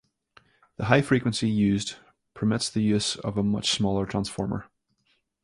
The high frequency used permits the use of a much smaller transformer.